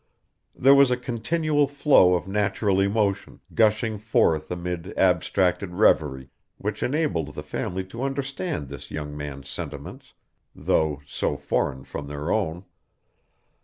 There was a continual flow of natural emotion, gushing forth amid abstracted reverie, which enabled the family to understand this young man's sentiments, though so foreign from their own.